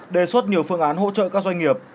đề xuất nhiều phương án hỗ trợ các doanh nghiệp